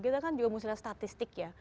kita kan juga mesti lihat statistik ya